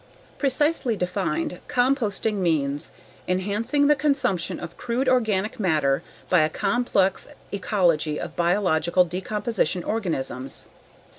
Precisely defined, composting means 'enhancing the consumption of crude organic matter by a complex ecology of biological decomposition organisms.'